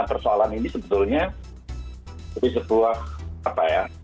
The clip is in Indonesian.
persoalan ini sebetulnya jadi sebuah apa ya